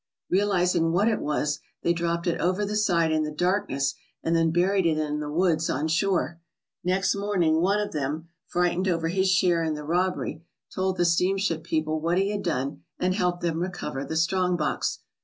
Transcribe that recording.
Realizing what it was, they dropped it over the side in the darkness and then buried it in the woods on shore. Next morning one of them, frightened over his share in the robbery, told the steamship people what he had done, and helped them re cover the strong box.